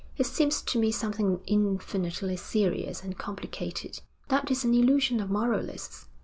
'It seems to me something infinitely serious and complicated.' 'That is an illusion of moralists.